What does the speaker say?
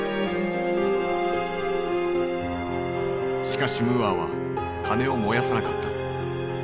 しかしムーアは金を燃やさなかった。